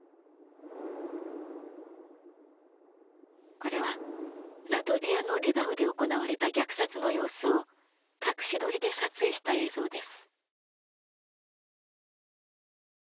これはラトビアのリバウで行われた虐殺の様子を隠し撮りで撮影した映像です。